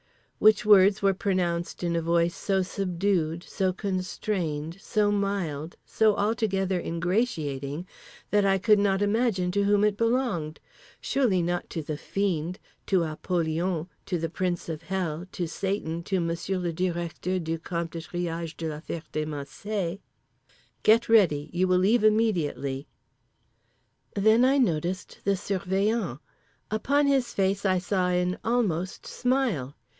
Which words were pronounced in a voice so subdued, so constrained, so mild, so altogether ingratiating, that I could not imagine to whom it belonged. Surely not to the Fiend, to Apollyon, to the Prince of Hell, to Satan, to Monsieur le Directeur du Camp de Triage de la Ferté Macé— "Get ready. You will leave immediately." Then I noticed the Surveillant. Upon his face I saw an almost smile.